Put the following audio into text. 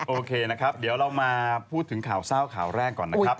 โอเคนะครับเดี๋ยวเรามาพูดถึงข่าวเศร้าข่าวแรกก่อนนะครับ